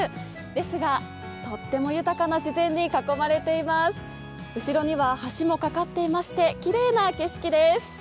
ですが、とっても豊かな自然に囲まれています。後ろには橋も架かっていましてきれいな景色です。